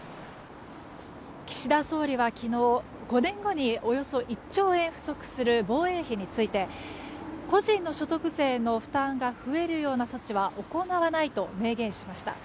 岸田総理は昨日５年後におよそ１兆円不足する防衛費について個人の所得税の負担が増えるような措置は行わないと明言しました。